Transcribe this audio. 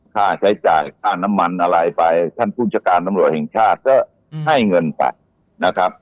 ค่าใช้จ่ายค่าน้ำมันอะไรไปท่านผู้จัดการตำรวจแห่งชาติก็ให้เงินไปนะครับ